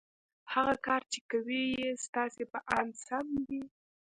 که هغه کار چې کوئ یې ستاسې په اند سم وي